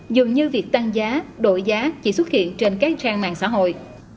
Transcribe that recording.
dường như việc tăng giá đổi giá chỉ xuất hiện trên các trang mạng xã hội